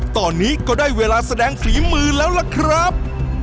ตอนนี้ก็ได้เวลาแสดงฝีมือแล้วล่ะครับ